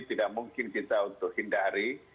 tidak mungkin kita untuk hindari